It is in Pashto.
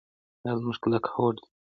دا زموږ کلک هوډ دی.